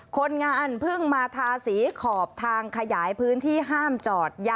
คนงานเพิ่งมาทาสีขอบทางขยายพื้นที่ห้ามจอด